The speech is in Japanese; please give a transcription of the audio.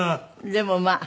でもまあ。